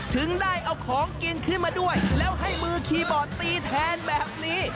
ถึงได้เอาของกินขึ้นมาด้วยแล้วให้มือคีย์บอร์ดตีแทนแบบนี้